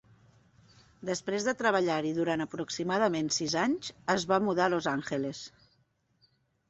Després de treballar-hi durant aproximadament sis anys, es va mudar a Los Angeles.